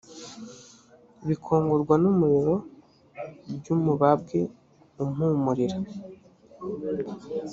bikongorwa n’umuriro by’umubabwe umpumurira